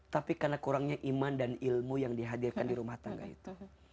tapi karena kurangnya iman dan ilmu yang dihadirkan di rumah tangga itu